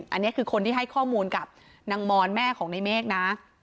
อันนี้คือคนที่ให้ข้อมูลกับนางมอนแม่ของในเมฆนะ